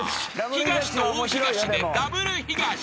［東と大東でダブルヒガシ］